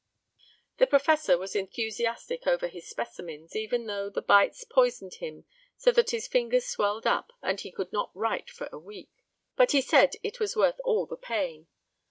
The professor was enthusiastic over his specimens, even though the bites poisoned him so that his fingers swelled up, and he could not write for a week. But he said it was worth all the pain.